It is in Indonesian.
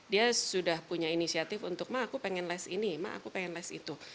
dia sudah punya inisiatif untuk ma aku pengen les ini mah aku pengen les itu